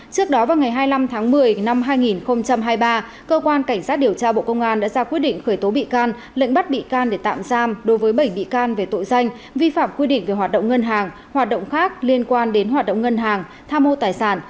trước đó vào ngày hai mươi năm tháng một mươi năm hai nghìn hai mươi ba cơ quan cảnh sát điều tra bộ công an đã ra quyết định khởi tố bị can lệnh bắt bị can để tạm giam đối với bảy bị can về tội danh vi phạm quy định về hoạt động ngân hàng hoạt động khác liên quan đến hoạt động ngân hàng tham mô tài sản